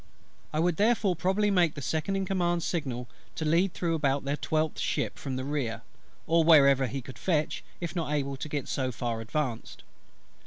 I should therefore probably make the Second in Command's signal to lead through about their twelfth ship from their rear; or wherever he could fetch, if not able to get so far advanced.